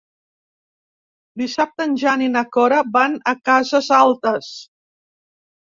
Dissabte en Jan i na Cora van a Cases Altes.